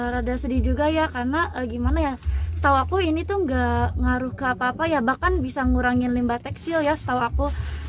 rada sedih juga ya karena gimana ya setahu aku ini tuh gak ngaruh ke apa apa ya bahkan bisa ngurangin limbah tekstil ya setahu aku